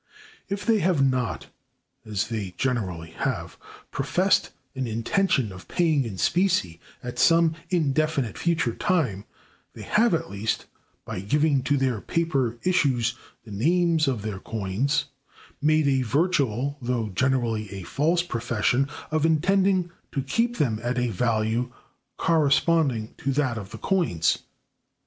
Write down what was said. If they have not (as they generally have) professed an intention of paying in specie at some indefinite future time, they have at least, by giving to their paper issues the names of their coins, made a virtual, though generally a false, profession of intending to keep them at a value corresponding to that of the coins.